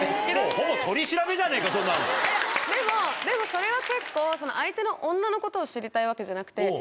でもそれは相手の女のことを知りたいわけじゃなくて。